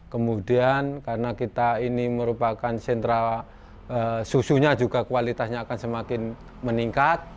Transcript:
kemudian karena kita ini merupakan sentra susunya juga kualitasnya akan semakin meningkat